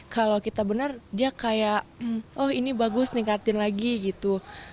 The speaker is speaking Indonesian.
kalau kita benar dia kayak oh ini bagus ningkatin lagi gitu